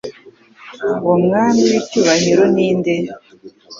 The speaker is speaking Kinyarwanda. Uwo Mwami w'icyubahiro ni nde ?